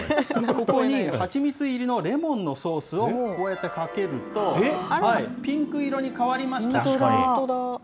ここに蜂蜜入りのレモンのソースをこうやってかけると、ピンク色に変わりました。